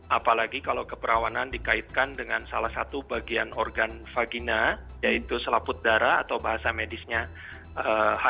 apalagi kalau keperawanan dikaitkan dengan salah satu bagian organ vagina yaitu selaput darah atau bahasa medisnya hm